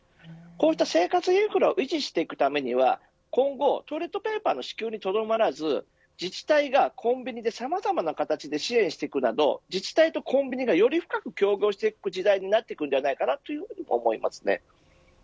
こうした生活インフラを維持していくためには今後、トイレットペーパーの支給にとどまらず自治体がコンビニでさまざまな形で支援していくなど自治体とコンビニがより深く協業していく時代になっていくのではないかと思います。